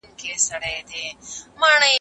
ناروغ ته د ډېرو مایعاتو ورکول ګټور دي.